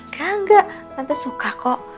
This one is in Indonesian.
kak gak tante suka kok